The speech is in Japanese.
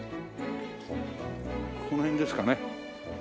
この辺ですかね？